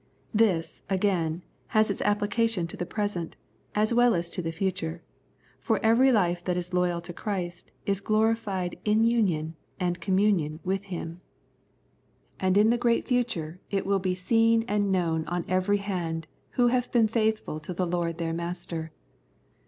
This, again, has its application to the present, as well as to the future, for every life that is loyal to Christ is glorified in union and com 34 Approbation and Blessing munion with Him. And in the great future it will be seen and known on every hand who have been faithful to their Lord and Master.